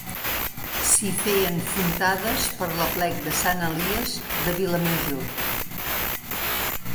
S'hi feien fontades per l'aplec de Sant Elies de Vilamajor.